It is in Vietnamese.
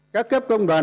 các cấp công đoàn